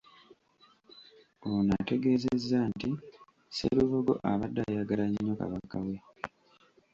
Ono ategeezezza nti Sserubogo abadde ayagala nnyo Kabaka we.